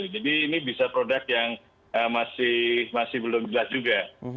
jadi ini bisa produk yang masih belum jelas juga